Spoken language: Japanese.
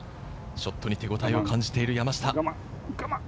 ショットに手応えを感じている山下。